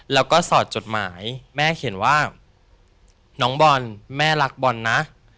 แล้วก็สอดจดหมายแม่เขียนว่าน้องบอลแม่รักบอลนะ